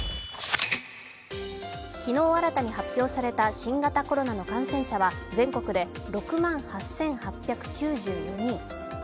昨日新たに発表された新型コロナの感染者は全国で６万８８９４人。